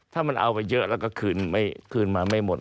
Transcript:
ถ้ามันเอาไปเยอะแล้วก็คืนมาไม่หมด